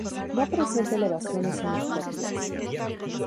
No presenta elevaciones significativas.